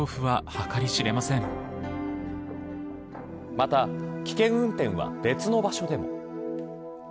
また危険運転は別の場所でも。